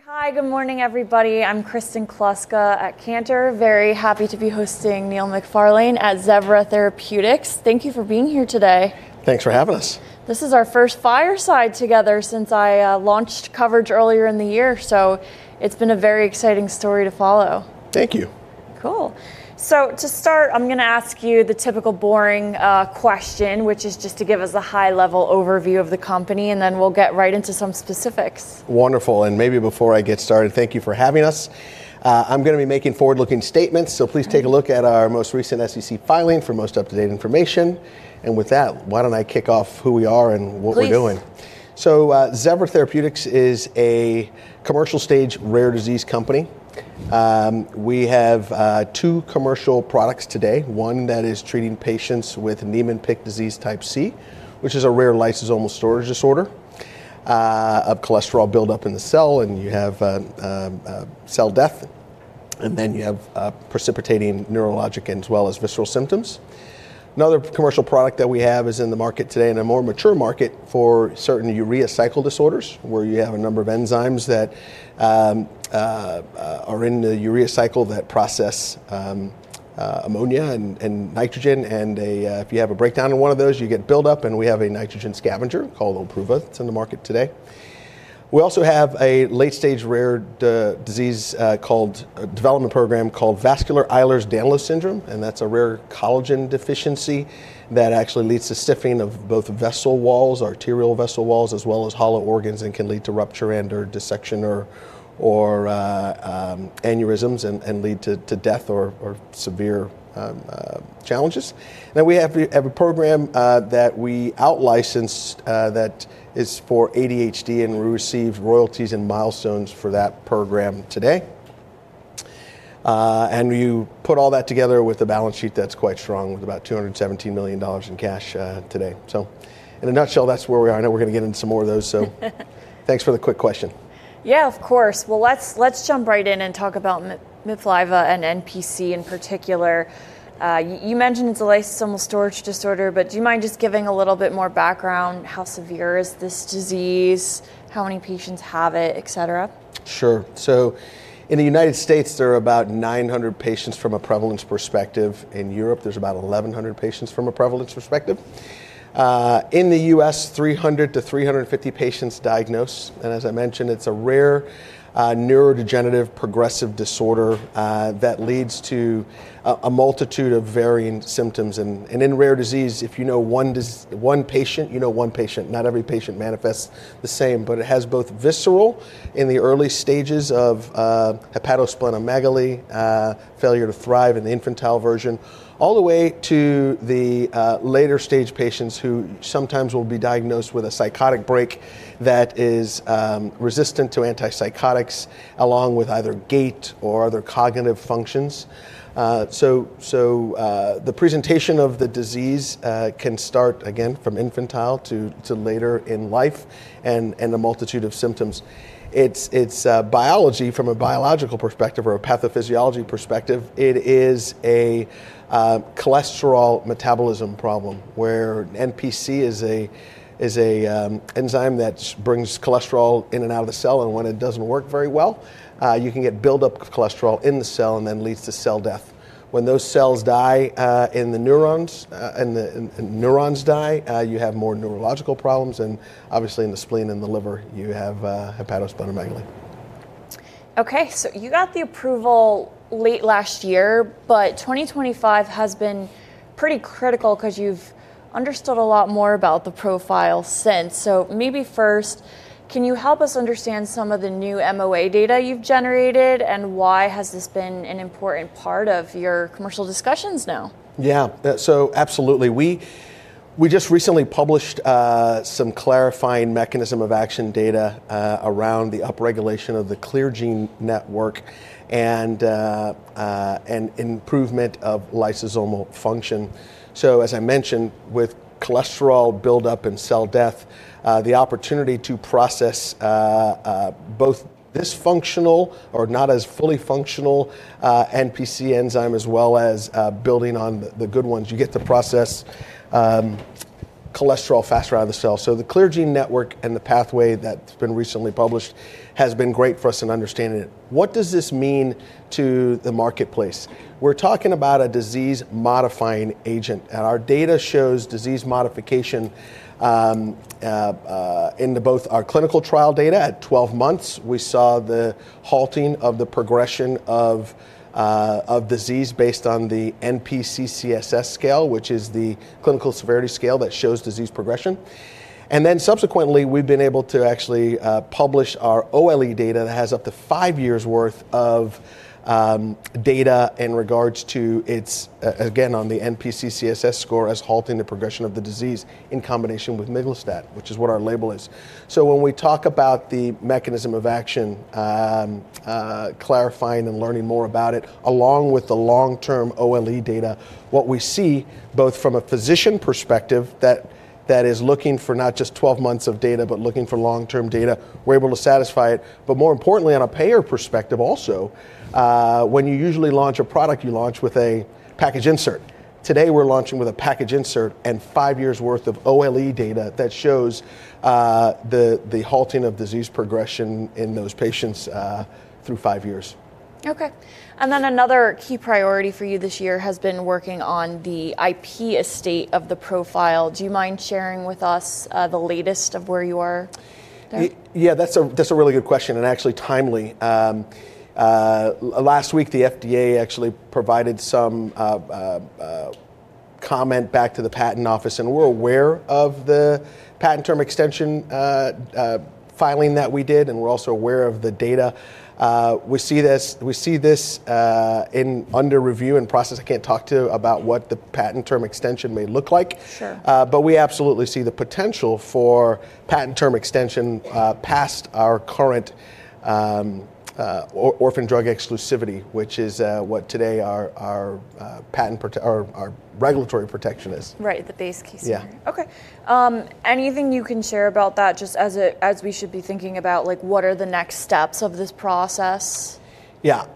Okay, hi, good morning everybody. I'm Kristen Kluska at Cantor. Very happy to be hosting Neil McFarlane at Zevra Therapeutics. Thank you for being here today. Thanks for having us. This is our first fireside together since I launched coverage earlier in the year, so it's been a very exciting story to follow. Thank you. Cool. So to start, I'm going to ask you the typical boring question, which is just to give us a high-level overview of the company, and then we'll get right into some specifics. Wonderful. And maybe before I get started, thank you for having us. I'm going to be making forward-looking statements, so please take a look at our most recent SEC filing for most up-to-date information. And with that, why don't I kick off who we are and what we're doing? Please. Zevra Therapeutics is a commercial-stage rare disease company. We have two commercial products today. One that is treating patients with Niemann-Pick disease type C, which is a rare lysosomal storage disorder of cholesterol buildup in the cell, and you have cell death, and then you have precipitating neurologic as well as visceral symptoms. Another commercial product that we have is in the market today in a more mature market for certain urea cycle disorders, where you have a number of enzymes that are in the urea cycle that process ammonia and nitrogen. And if you have a breakdown in one of those, you get buildup, and we have a nitrogen scavenger called OLPRUVA. It's in the market today. We also have a late-stage rare disease development program called Vascular Ehlers-Danlos Syndrome, and that's a rare collagen deficiency that actually leads to stiffening of both vessel walls, arterial vessel walls, as well as hollow organs, and can lead to rupture and/or dissection or aneurysms and lead to death or severe challenges, and then we have a program that we out-licensed that is for ADHD, and we received royalties and milestones for that program today, and you put all that together with a balance sheet that's quite strong with about $217 million in cash today, so in a nutshell, that's where we are. I know we're going to get into some more of those, so thanks for the quick question. Yeah, of course. Well, let's jump right in and talk about MIPLYFFA and NPC in particular. You mentioned it's a lysosomal storage disorder, but do you mind just giving a little bit more background? How severe is this disease? How many patients have it, et cetera? Sure. So in the United States, there are about 900 patients from a prevalence perspective. In Europe, there's about 1,100 patients from a prevalence perspective. In the U.S., 300-350 patients diagnosed. And as I mentioned, it's a rare neurodegenerative progressive disorder that leads to a multitude of varying symptoms. And in rare disease, if you know one patient, you know one patient. Not every patient manifests the same, but it has both visceral in the early stages of hepatosplenomegaly, failure to thrive in the infantile version, all the way to the later-stage patients who sometimes will be diagnosed with a psychotic break that is resistant to antipsychotics along with either gait or other cognitive functions. So the presentation of the disease can start, again, from infantile to later in life and a multitude of symptoms. It's biology, from a biological perspective or a pathophysiology perspective. It is a cholesterol metabolism problem where NPC is an enzyme that brings cholesterol in and out of the cell, and when it doesn't work very well, you can get buildup of cholesterol in the cell and then leads to cell death. When those cells die in the neurons and the neurons die, you have more neurological problems, and obviously, in the spleen and the liver, you have hepatosplenomegaly. Okay, so you got the approval late last year, but 2025 has been pretty critical because you've understood a lot more about the profile since. So maybe first, can you help us understand some of the new MOA data you've generated and why has this been an important part of your commercial discussions now? Yeah, so absolutely. We just recently published some clarifying mechanism of action data around the upregulation of the CLEAR gene network and improvement of lysosomal function. So as I mentioned, with cholesterol buildup and cell death, the opportunity to process both this functional or not as fully functional NPC enzyme as well as building on the good ones, you get to process cholesterol faster out of the cell. So the CLEAR gene network and the pathway that's been recently published has been great for us in understanding it. What does this mean to the marketplace? We're talking about a disease-modifying agent. And our data shows disease modification into both our clinical trial data. At 12 months, we saw the halting of the progression of disease based on the NPCCSS scale, which is the clinical severity scale that shows disease progression. And then subsequently, we've been able to actually publish our OLE data that has up to five years' worth of data in regards to its, again, on the NPCCSS score as halting the progression of the disease in combination with miglustat, which is what our label is. So when we talk about the mechanism of action, clarifying and learning more about it, along with the long-term OLE data, what we see both from a physician perspective that is looking for not just 12 months of data but looking for long-term data, we're able to satisfy it. But more importantly, on a payer perspective also, when you usually launch a product, you launch with a package insert. Today, we're launching with a package insert and five years' worth of OLE data that shows the halting of disease progression in those patients through five years. Okay. And then another key priority for you this year has been working on the IP estate of the profile. Do you mind sharing with us the latest of where you are? Yeah, that's a really good question and actually timely. Last week, the FDA actually provided some comment back to the patent office, and we're aware of the patent term extension filing that we did, and we're also aware of the data. We see this is under review and in process. I can't talk to you about what the patent term extension may look like, but we absolutely see the potential for patent term extension past our current orphan drug exclusivity, which is what today our regulatory protection is. Right, the base case here. Yeah. Okay. Anything you can share about that just as we should be thinking about what are the next steps of this process? Yeah,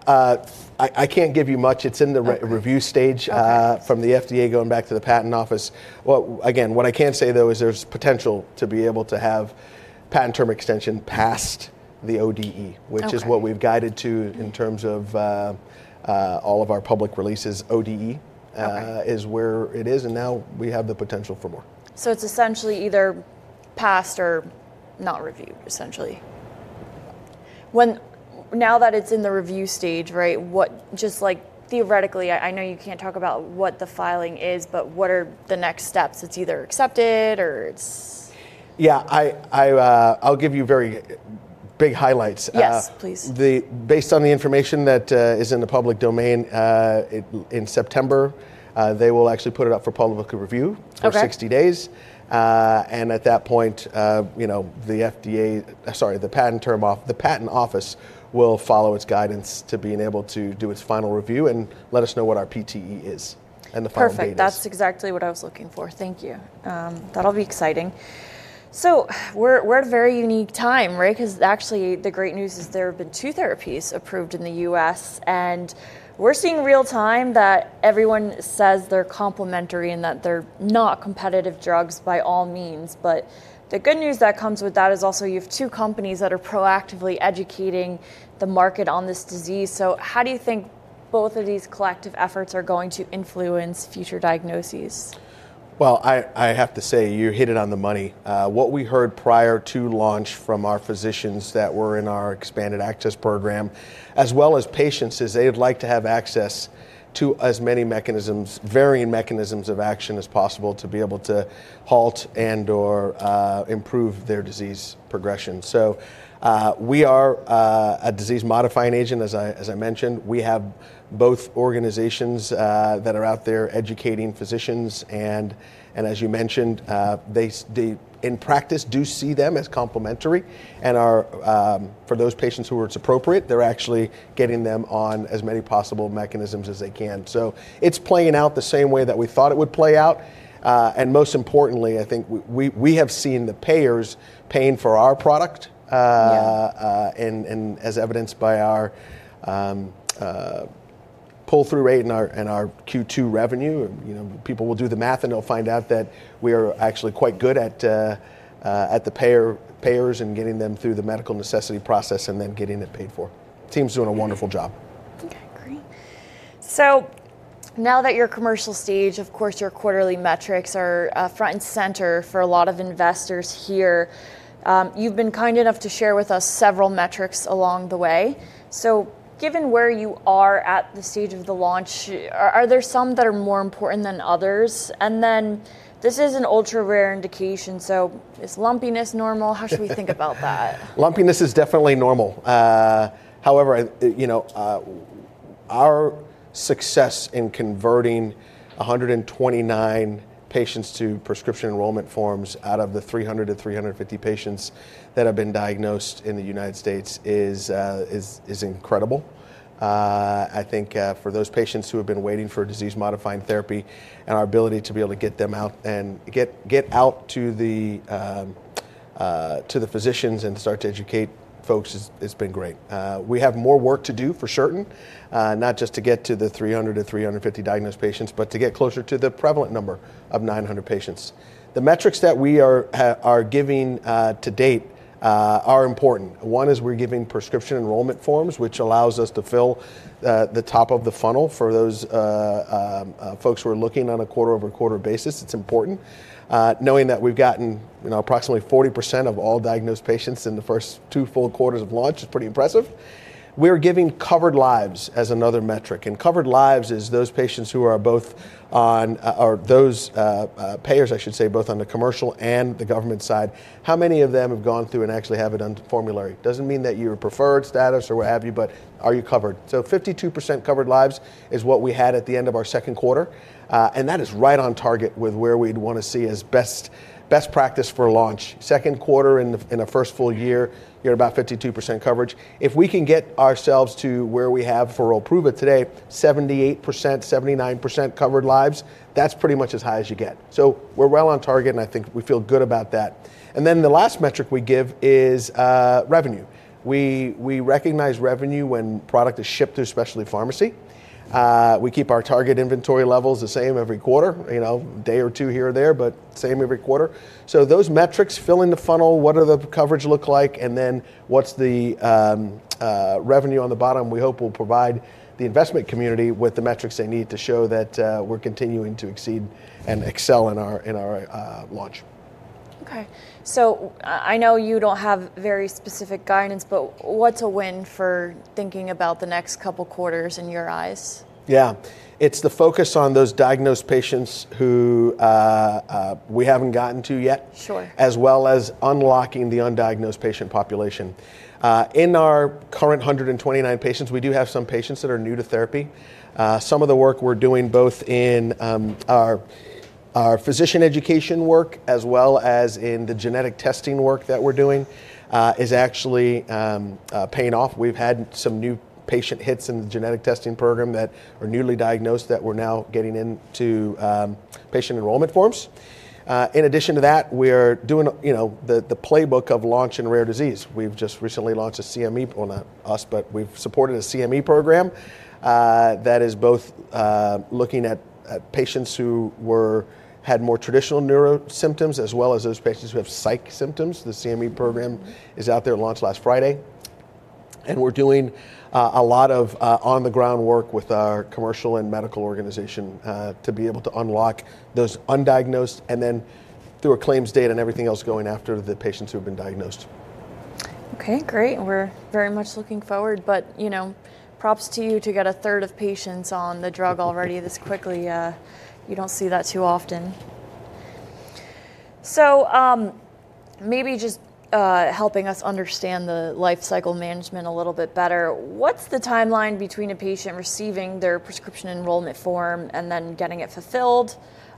I can't give you much. It's in the review stage from the FDA going back to the patent office. Again, what I can say, though, is there's potential to be able to have patent term extension past the ODE, which is what we've guided to in terms of all of our public releases. ODE is where it is, and now we have the potential for more. So it's essentially either past or not reviewed, essentially. Now that it's in the review stage, right, just theoretically, I know you can't talk about what the filing is, but what are the next steps? It's either accepted or it's. Yeah, I'll give you very big highlights. Yes, please. Based on the information that is in the public domain in September, they will actually put it up for public review of 60 days, and at that point, the FDA, sorry, the patent office, will follow its guidance to being able to do its final review and let us know what our PTE is and the final dates. Perfect. That's exactly what I was looking for. Thank you. That'll be exciting. So we're at a very unique time, right? Because actually, the great news is there have been two therapies approved in the U.S., and we're seeing real-time that everyone says they're complementary and that they're not competitive drugs by all means. But the good news that comes with that is also you have two companies that are proactively educating the market on this disease. So how do you think both of these collective efforts are going to influence future diagnoses? I have to say you hit it on the money. What we heard prior to launch from our physicians that were in our expanded access program, as well as patients, is they would like to have access to as many mechanisms, varying mechanisms of action as possible to be able to halt and/or improve their disease progression. So we are a disease-modifying agent, as I mentioned. We have both organizations that are out there educating physicians, and as you mentioned, they in practice do see them as complementary. And for those patients who are appropriate, they're actually getting them on as many possible mechanisms as they can. So it's playing out the same way that we thought it would play out. And most importantly, I think we have seen the payers paying for our product, as evidenced by our pull-through rate and our Q2 revenue. People will do the math, and they'll find out that we are actually quite good at the payers and getting them through the medical necessity process and then getting it paid for. The team's doing a wonderful job. Okay, great. So now that you're at commercial stage, of course, your quarterly metrics are front and center for a lot of investors here. You've been kind enough to share with us several metrics along the way. So given where you are at the stage of the launch, are there some that are more important than others? And then this is an ultra-rare indication, so is lumpiness normal? How should we think about that? Lumpiness is definitely normal. However, our success in converting 129 patients to prescription enrollment forms out of the 300-350 patients that have been diagnosed in the United States is incredible. I think for those patients who have been waiting for disease-modifying therapy and our ability to be able to get them out and get out to the physicians and start to educate folks has been great. We have more work to do for certain, not just to get to the 300-350 diagnosed patients, but to get closer to the prevalent number of 900 patients. The metrics that we are giving to date are important. One is we're giving prescription enrollment forms, which allows us to fill the top of the funnel for those folks who are looking on a quarter-over-quarter basis. It's important. Knowing that we've gotten approximately 40% of all diagnosed patients in the first two full quarters of launch is pretty impressive. We're giving covered lives as another metric, and covered lives is those patients who are both on, or those payers, I should say, both on the commercial and the government side, how many of them have gone through and actually have it on formulary? It doesn't mean that you're preferred status or what have you, but are you covered? 52% covered lives is what we had at the end of our second quarter, and that is right on target with where we'd want to see as best practice for launch. Second quarter in a first full year, you're at about 52% coverage. If we can get ourselves to where we have for OLPRUVA today, 78%-79% covered lives, that's pretty much as high as you get. So we're well on target, and I think we feel good about that. And then the last metric we give is revenue. We recognize revenue when product is shipped to a specialty pharmacy. We keep our target inventory levels the same every quarter, a day or two here or there, but same every quarter. So those metrics fill in the funnel. What does the coverage look like, and then what's the revenue on the bottom? We hope we'll provide the investment community with the metrics they need to show that we're continuing to exceed and excel in our launch. Okay. So I know you don't have very specific guidance, but what's a win for thinking about the next couple of quarters in your eyes? Yeah, it's the focus on those diagnosed patients who we haven't gotten to yet, as well as unlocking the undiagnosed patient population. In our current 129 patients, we do have some patients that are new to therapy. Some of the work we're doing, both in our physician education work as well as in the genetic testing work that we're doing, is actually paying off. We've had some new patient hits in the genetic testing program that are newly diagnosed that we're now getting into patient enrollment forms. In addition to that, we're doing the playbook of launch in rare disease. We've just recently launched a CME, well, not us, but we've supported a CME program that is both looking at patients who had more traditional neuro symptoms as well as those patients who have psych symptoms. The CME program is out there and launched last Friday. We're doing a lot of on-the-ground work with our commercial and medical organization to be able to unlock those undiagnosed and then through a claims data and everything else going after the patients who have been diagnosed. Okay, great. We're very much looking forward, but props to you to get a third of patients on the drug already this quickly. You don't see that too often. So maybe just helping us understand the life cycle management a little bit better. What's the timeline between a patient receiving their prescription enrollment form and then getting it fulfilled?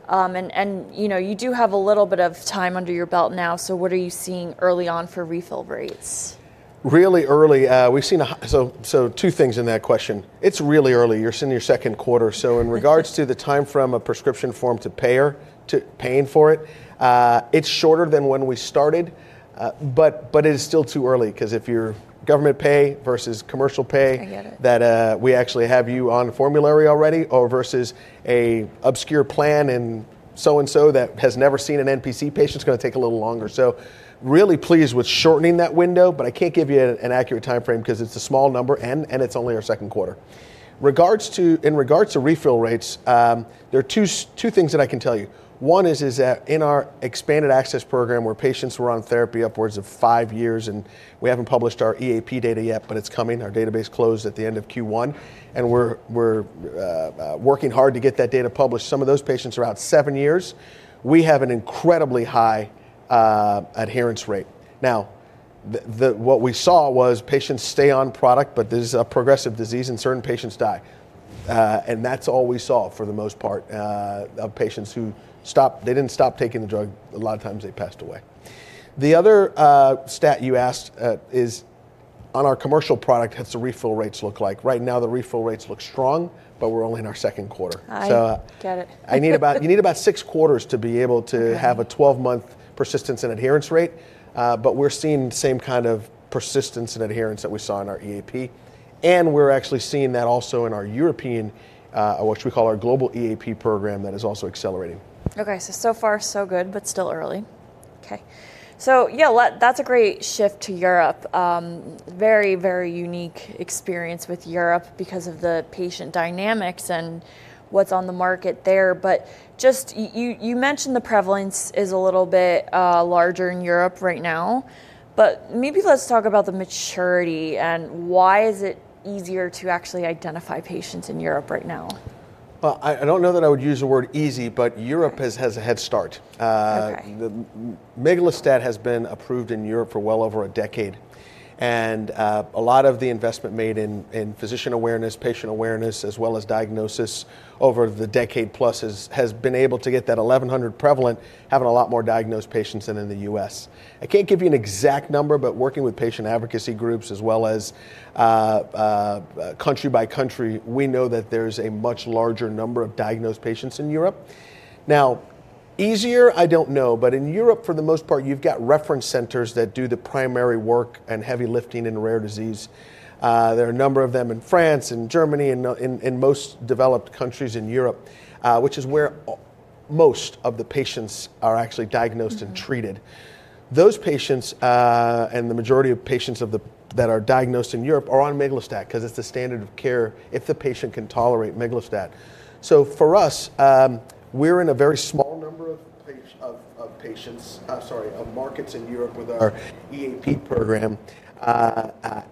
And you do have a little bit of time under your belt now, so what are you seeing early on for refill rates? Really early. So two things in that question. It's really early. You're sitting in your second quarter. So in regards to the timeframe of prescription form to payer to paying for it, it's shorter than when we started, but it is still too early because if you're government pay versus commercial pay that we actually have you on formulary already or versus an obscure plan in so-and-so that has never seen an NPC patient, it's going to take a little longer. So really pleased with shortening that window, but I can't give you an accurate timeframe because it's a small number and it's only our second quarter. In regards to refill rates, there are two things that I can tell you. One is that in our expanded access program, where patients were on therapy upwards of five years, and we haven't published our EAP data yet, but it's coming. Our database closed at the end of Q1, and we're working hard to get that data published. Some of those patients are out seven years. We have an incredibly high adherence rate. Now, what we saw was patients stay on product, but there's a progressive disease and certain patients die. And that's all we saw for the most part of patients who stopped. They didn't stop taking the drug. A lot of times they passed away. The other stat you asked is on our commercial product, what's the refill rates look like? Right now, the refill rates look strong, but we're only in our second quarter. I get it. You need about six quarters to be able to have a 12-month persistence and adherence rate, but we're seeing the same kind of persistence and adherence that we saw in our EAP, and we're actually seeing that also in our European, what we call our global EAP program that is also accelerating. Okay. So far, so good, but still early. So yeah, that's a great shift to Europe. Very, very unique experience with Europe because of the patient dynamics and what's on the market there. But just you mentioned the prevalence is a little bit larger in Europe right now, but maybe let's talk about the maturity and why is it easier to actually identify patients in Europe right now? I don't know that I would use the word easy, but Europe has a head start. Okay. The miglustat has been approved in Europe for well over a decade, and a lot of the investment made in physician awareness, patient awareness, as well as diagnosis over the decade plus has been able to get that 1,100 prevalent, having a lot more diagnosed patients than in the U.S. I can't give you an exact number, but working with patient advocacy groups as well as country by country, we know that there's a much larger number of diagnosed patients in Europe. Now, easier, I don't know, but in Europe, for the most part, you've got reference centers that do the primary work and heavy lifting in rare disease. There are a number of them in France and Germany and in most developed countries in Europe, which is where most of the patients are actually diagnosed and treated. Those patients and the majority of patients that are diagnosed in Europe are on miglustat because it's a standard of care if the patient can tolerate miglustat, so for us, we're in a very small number of patients, sorry, of markets in Europe with our EAP program,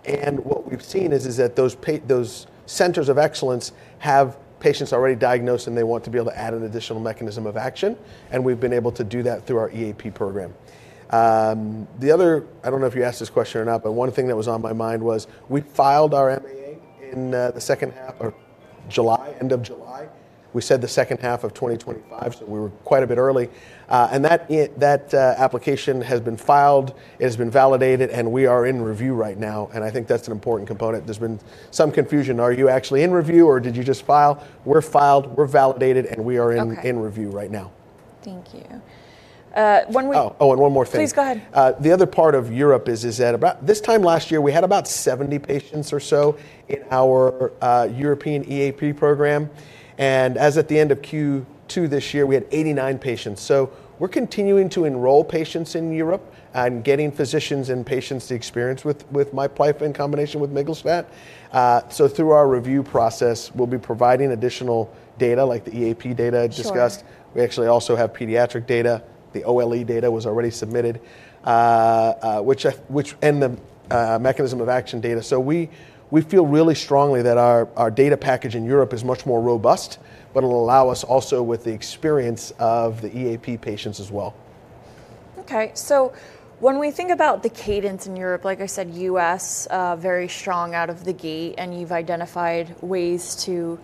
and what we've seen is that those centers of excellence have patients already diagnosed, and they want to be able to add an additional mechanism of action, and we've been able to do that through our EAP program. The other, I don't know if you asked this question or not, but one thing that was on my mind was we filed our MAA in the second half of July, end of July. We said the second half of 2025, so we were quite a bit early. And that application has been filed, it has been validated, and we are in review right now, and I think that's an important component. There's been some confusion. Are you actually in review, or did you just file? We're filed, we're validated, and we are in review right now. Thank you. Oh, and one more thing. Please go ahead. The other part of Europe is that this time last year, we had about 70 patients or so in our European EAP program, and as at the end of Q2 this year, we had 89 patients, so we're continuing to enroll patients in Europe and getting physicians and patients to experience with MIPLYFFA in combination with miglustat, so through our review process, we'll be providing additional data like the EAP data I discussed. We actually also have pediatric data. The OLE data was already submitted, and the mechanism of action data, so we feel really strongly that our data package in Europe is much more robust, but it'll allow us also with the experience of the EAP patients as well. Okay, so when we think about the cadence in Europe, like I said, U.S. very strong out of the gate, and you've identified ways to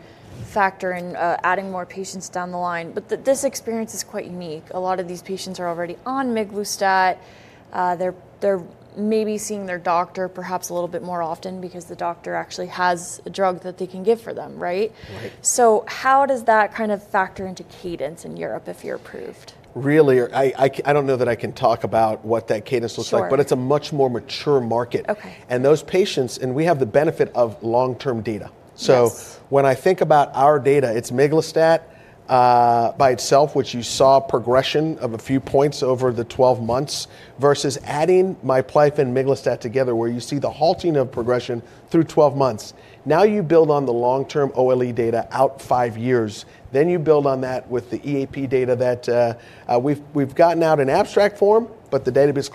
factor in adding more patients down the line, but this experience is quite unique. A lot of these patients are already on miglustat. They're maybe seeing their doctor perhaps a little bit more often because the doctor actually has a drug that they can give for them, right, so how does that kind of factor into cadence in Europe if you're approved? Really, I don't know that I can talk about what that cadence looks like, but it's a much more mature market, and those patients, and we have the benefit of long-term data, so when I think about our data, it's miglustat by itself, which you saw progression of a few points over the 12 months versus adding MIPLYFFA and miglustat together, where you see the halting of progression through 12 months. Now you build on the long-term OLE data out five years, then you build on that with the EAP data that we've gotten out in abstract form, but the database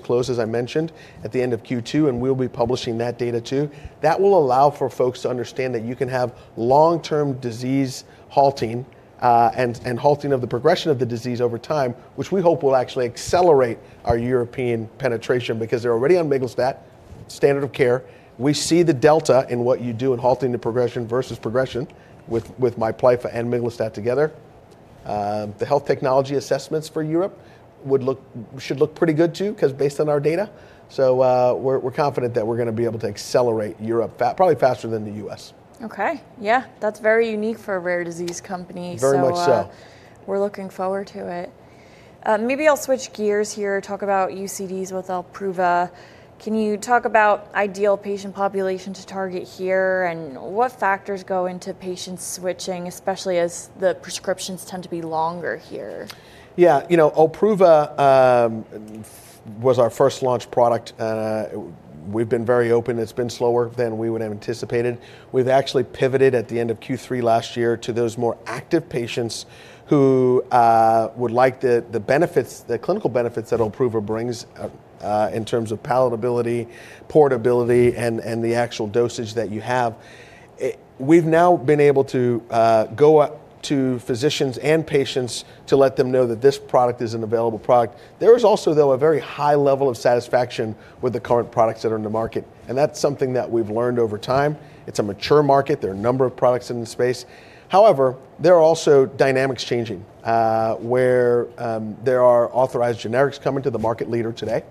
closed, as I mentioned, at the end of Q2, and we'll be publishing that data too. That will allow for folks to understand that you can have long-term disease halting and halting of the progression of the disease over time, which we hope will actually accelerate our European penetration because they're already on miglustat, standard of care. We see the delta in what you do in halting the progression versus progression with MIPLYFFA and miglustat together. The health technology assessments for Europe should look pretty good too because based on our data. So we're confident that we're going to be able to accelerate Europe probably faster than the US. Okay. Yeah, that's very unique for a rare disease company. Very much so. So we're looking forward to it. Maybe I'll switch gears here, talk about UCDs with OLPRUVA. Can you talk about ideal patient population to target here and what factors go into patients switching, especially as the prescriptions tend to be longer here? Yeah, OLPRUVA was our first launch product. We've been very open. It's been slower than we would have anticipated. We've actually pivoted at the end of Q3 last year to those more active patients who would like the clinical benefits that OLPRUVA brings in terms of palatability, portability, and the actual dosage that you have. We've now been able to go to physicians and patients to let them know that this product is an available product. There is also, though, a very high level of satisfaction with the current products that are in the market, and that's something that we've learned over time. It's a mature market. There are a number of products in the space. However, there are also dynamics changing where there are authorized generics coming to the market later today.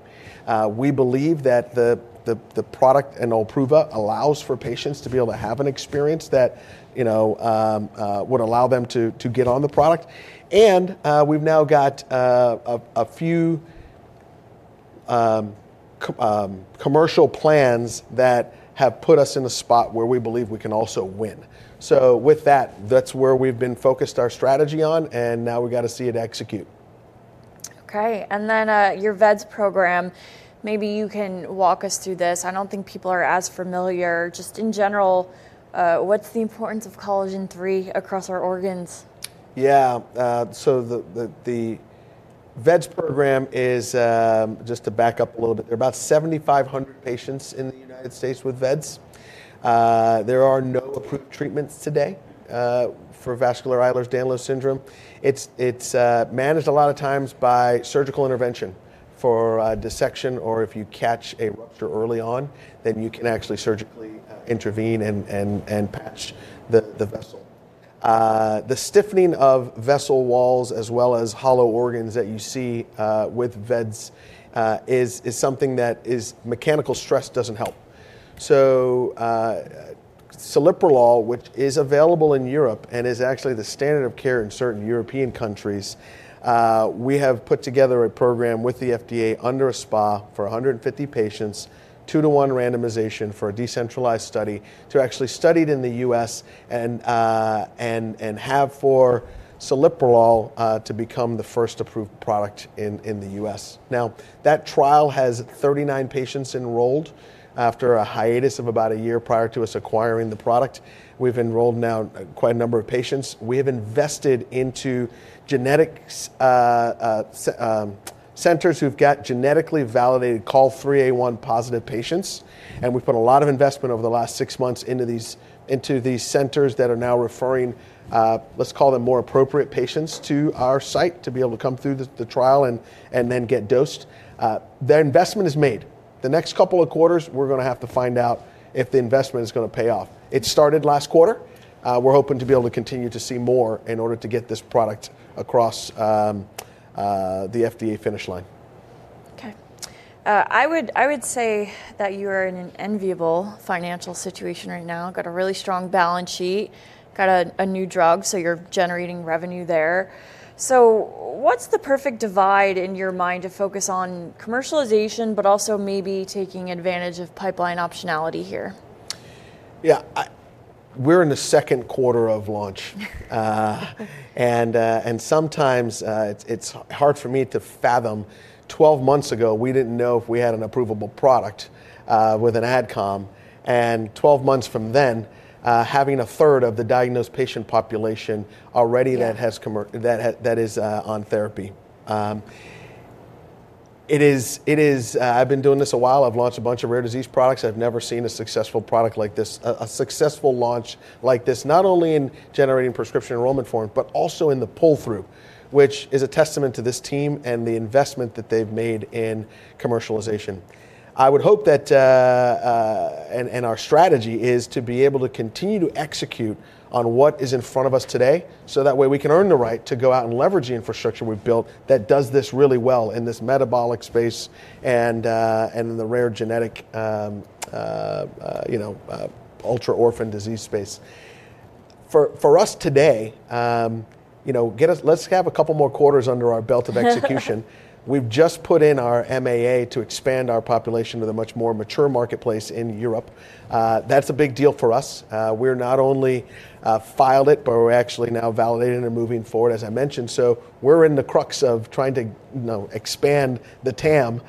We believe that the product and OLPRUVA allows for patients to be able to have an experience that would allow them to get on the product, and we've now got a few commercial plans that have put us in a spot where we believe we can also win, so with that, that's where we've been focused our strategy on, and now we've got to see it execute. Okay. And then your VEDS program, maybe you can walk us through this. I don't think people are as familiar. Just in general, what's the importance of collagen III across our organs? Yeah. So the VEDS program is, just to back up a little bit, there are about 7,500 patients in the United States with VEDS. There are no approved treatments today for Vascular Ehlers-Danlos Syndrome. It's managed a lot of times by surgical intervention for dissection, or if you catch a rupture early on, then you can actually surgically intervene and patch the vessel. The stiffening of vessel walls as well as hollow organs that you see with VEDS is something that mechanical stress doesn't help. So celiprolol, which is available in Europe and is actually the standard of care in certain European countries, we have put together a program with the FDA under a SPA for 150 patients, two-to-one randomization for a decentralized study to actually study it in the U.S. and have for celiprolol to become the first approved product in the U.S. Now, that trial has 39 patients enrolled after a hiatus of about a year prior to us acquiring the product. We've enrolled now quite a number of patients. We have invested into genetic centers who've got genetically validated COL3A1 positive patients, and we've put a lot of investment over the last six months into these centers that are now referring, let's call them more appropriate patients to our site to be able to come through the trial and then get dosed. Their investment is made. The next couple of quarters, we're going to have to find out if the investment is going to pay off. It started last quarter. We're hoping to be able to continue to see more in order to get this product across the FDA finish line. Okay. I would say that you are in an enviable financial situation right now. Got a really strong balance sheet, got a new drug, so you're generating revenue there. So what's the perfect divide in your mind to focus on commercialization, but also maybe taking advantage of pipeline optionality here? Yeah. We're in the second quarter of launch, and sometimes it's hard for me to fathom. 12 months ago, we didn't know if we had an approvable product with an AdCom. And 12 months from then, having a third of the diagnosed patient population already that is on therapy. I've been doing this a while. I've launched a bunch of rare disease products. I've never seen a successful product like this, a successful launch like this, not only in generating prescription enrollment forms, but also in the pull-through, which is a testament to this team and the investment that they've made in commercialization. I would hope that, and our strategy is to be able to continue to execute on what is in front of us today so that way we can earn the right to go out and leverage the infrastructure we've built that does this really well in this metabolic space and in the rare genetic ultra-orphan disease space. For us today, let's have a couple more quarters under our belt of execution. We've just put in our MAA to expand our population to the much more mature marketplace in Europe. That's a big deal for us. We're not only filed it, but we're actually now validating and moving forward, as I mentioned. So we're in the crux of trying to expand the TAM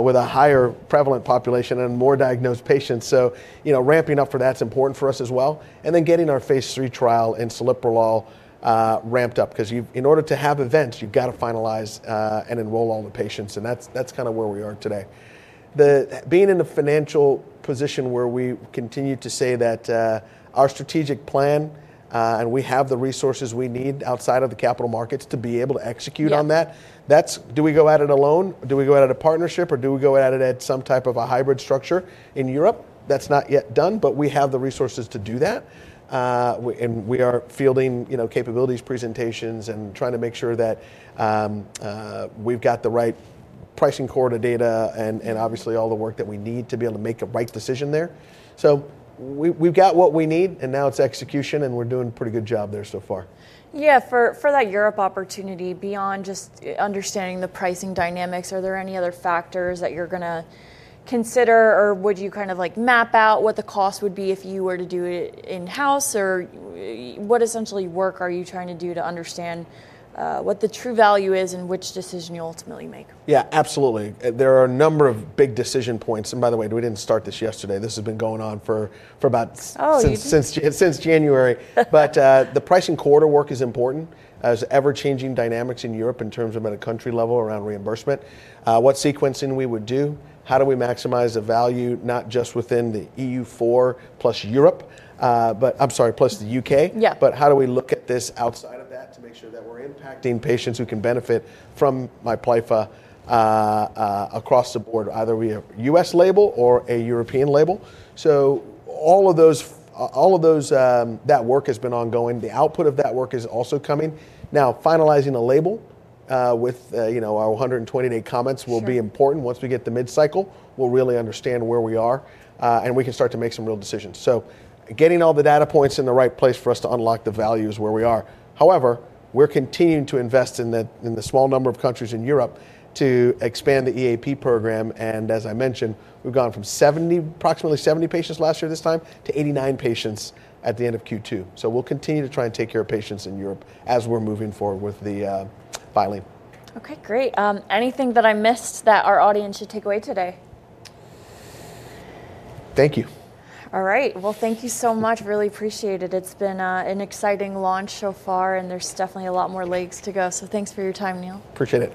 with a higher prevalent population and more diagnosed patients. So ramping up for that's important for us as well. And then getting our phase III trial in celiprolol ramped up because in order to have events, you've got to finalize and enroll all the patients. And that's kind of where we are today. Being in a financial position where we continue to say that our strategic plan and we have the resources we need outside of the capital markets to be able to execute on that, do we go at it alone? Do we go at it in partnership, or do we go at it at some type of a hybrid structure in Europe? That's not yet done, but we have the resources to do that. And we are fielding capabilities presentations and trying to make sure that we've got the right pricing core to data and obviously all the work that we need to be able to make a right decision there. So we've got what we need, and now it's execution, and we're doing a pretty good job there so far. Yeah. For that Europe opportunity, beyond just understanding the pricing dynamics, are there any other factors that you're going to consider, or would you kind of map out what the cost would be if you were to do it in-house, or what essentially work are you trying to do to understand what the true value is and which decision you ultimately make? Yeah, absolutely. There are a number of big decision points. And by the way, we didn't start this yesterday. This has been going on for about since January. But the pricing and payer work is important as ever-changing dynamics in Europe in terms of at a country level around reimbursement. What sequencing we would do, how do we maximize the value, not just within the EU4 plus Europe, but I'm sorry, plus the U.K., but how do we look at this outside of that to make sure that we're impacting patients who can benefit from MIPLYFFA across the board, either we have a US label or a European label. So all of that work has been ongoing. The output of that work is also coming. Now, finalizing a label with our 128 comments will be important. Once we get the mid-cycle, we'll really understand where we are, and we can start to make some real decisions. So getting all the data points in the right place for us to unlock the value is where we are. However, we're continuing to invest in the small number of countries in Europe to expand the EAP program. And as I mentioned, we've gone from approximately 70 patients last year this time to 89 patients at the end of Q2. So we'll continue to try and take care of patients in Europe as we're moving forward with the filing. Okay, great. Anything that I missed that our audience should take away today? Thank you. All right. Well, thank you so much. Really appreciate it. It's been an exciting launch so far, and there's definitely a lot more legs to go. So thanks for your time, Neil. Appreciate it.